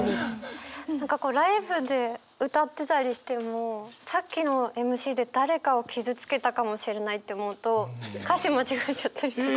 何かこうライブで歌ってたりしてもさっきのＭＣで誰かを傷つけたかもしれないと思うと歌詞間違えちゃったりとか。